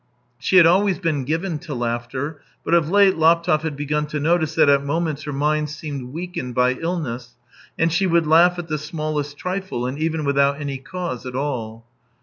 She had always been given to laughter, but of late Laptev had begun to notice that at moments her mind seemed weakened by illness, and she would laugh at the smallest trifle, and even without any cause at all.